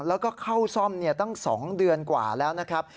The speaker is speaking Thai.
แล้วก็เข้าซ่อมตั้ง๒เดือนกว่าแล้วนะครับ